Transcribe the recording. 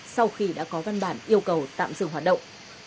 sau khi đã có văn bản yêu cầu tạm dừng hoạt động